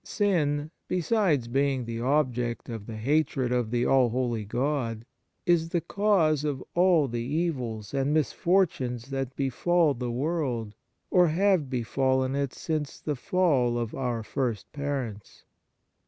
Sin, besides being the object of the hatred of the all holy God, is the cause of all the evils and misfortunes that befall the world or have befallen it since the fall of our first parents.